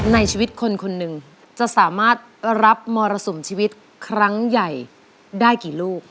ในชีวิตคนคนหนึ่งจะสามารถรับมรสุมชีวิตครั้งใหญ่ได้กี่ลูก